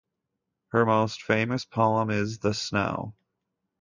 Her most famous poem is "The Snow".